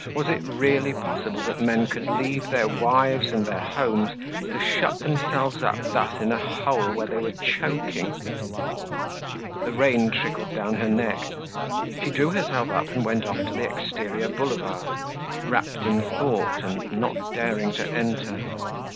Was it really possible that men could leave their wives and their homes to shut themselves up thus in a hole where they were choking? The rain trickled down her neck; she drew herself up and went off to the exterior Boulevard, wrapped in thought and not daring to enter.